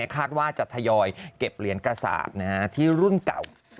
คาดว่าจะทยอยเก็บเหรียญกระสาปที่รุ่นเก่า